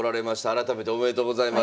改めておめでとうございます。